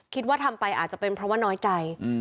คิดว่าทำไปอาจจะเป็นเพราะว่าน้อยใจ